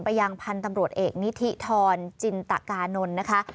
ยังพันธุ์ตำรวจเอกนิธิธรจินตกานนท์นะคะ